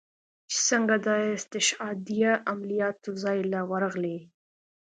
چې سنګه د استشهاديه عملياتو زاى له ورغلې.